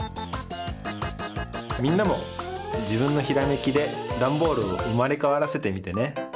みんなもじぶんのひらめきでダンボールをうまれかわらせてみてね。